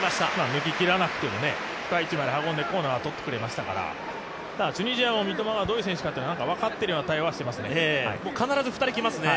逃げきらなくても深い位置まで運んでコーナー取ってくれましたからチュニジアも三笘がどういう選手か分かってるような当たりはしてますね。